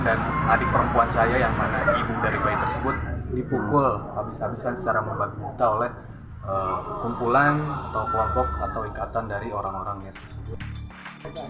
dan adik perempuan saya yang mana ibu dari bayi tersebut dipukul habis habisan secara membabi buta oleh kumpulan atau kelompok atau ikatan dari orang orang yang tersebut